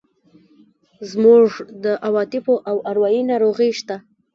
زموږ د عواطفو او اروایي ناروغۍ شته.